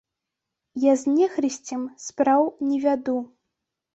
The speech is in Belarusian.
Я з нехрысцем спраў не вяду.